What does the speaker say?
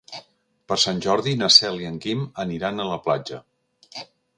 Per Sant Jordi na Cel i en Guim aniran a la platja.